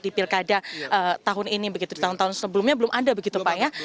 di pilkada tahun ini begitu di tahun tahun sebelumnya belum ada begitu pak ya